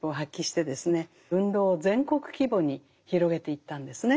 運動を全国規模に広げていったんですね。